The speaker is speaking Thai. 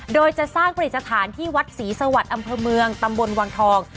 โดยจะสร้างประเด็นจักรฐานที่วัดศรีสวรรค์อำเภอเมืองตำบลวังทอง